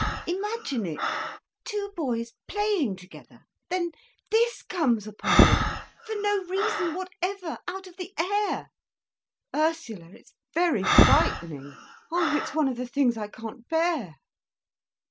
Imagine it, two boys playing together—then this comes upon them, for no reason whatever—out of the air. Ursula, it's very frightening! Oh, it's one of the things I can't bear.